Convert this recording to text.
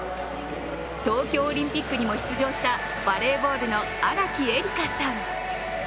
東京オリンピックにも出場したバレーボールの荒木絵里香さん。